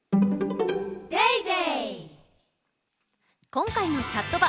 今回の「チャットバ」。